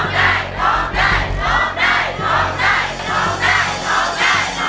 ร้องได้ร้องได้ร้องได้